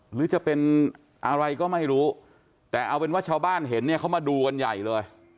หรือจะเป็นอะไรก็ไม่รู้แต่เอาเป็นว่าชาวบ้านเห็นเนี่ยเขามาดูกันใหญ่เลย